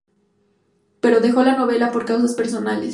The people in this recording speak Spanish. Pero dejó la novela por causas personales.